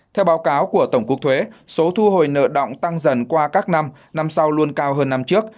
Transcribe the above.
theo báo cáo của tổng cục thuế số thu hồi nợ động tăng dần qua các năm năm sau luôn cao hơn năm trước